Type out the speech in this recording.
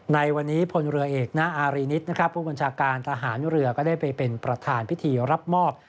ในวันนี้พลเรือเอกณอารีนิตนะครับผู้บัญชาการทหารเรือก็ได้ไปเป็นประธานพิธีรับมอบ